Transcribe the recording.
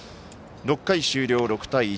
６回終了、６対１。